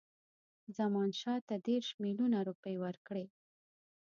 زمانشاه ته دېرش میلیونه روپۍ ورکړي.